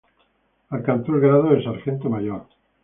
Alcanzó el grado de sargento mayor.